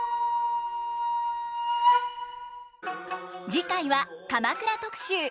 次回は鎌倉特集。